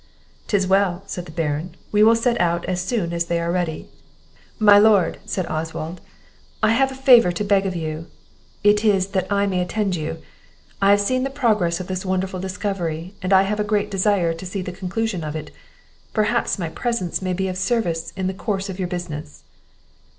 "'Tis well," said the Baron; "we will set out as soon as they are ready." "My Lord," said Oswald, "I have a favour to beg of you; it is, that I may attend you; I have seen the progress of this wonderful discovery, and I have a great desire to see the conclusion of it; perhaps my presence may be of service in the course of your business."